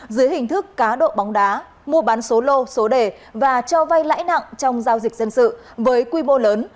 dưới hình thức cá độ bóng đá mua bán số lô số đề và cho vay lãi nặng trong giao dịch dân sự với quy mô lớn